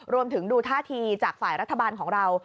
ดูท่าทีจากฝ่ายรัฐบาลของเรา